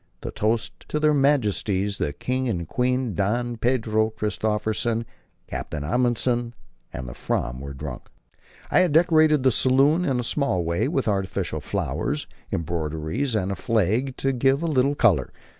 The toasts of their Majesties the King and Queen, Don Pedro Christophersen, Captain Amundsen, and the Fram were drunk. I had decorated the saloon in a small way with artificial flowers, embroideries, and flags, to give a little colour.